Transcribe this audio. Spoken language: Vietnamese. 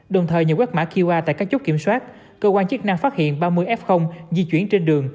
đồng thời nhờ quét mã qr tại các chốt kiểm soát cơ quan chức năng phát hiện ba mươi f di chuyển trên đường